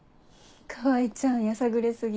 川合ちゃんやさぐれ過ぎ。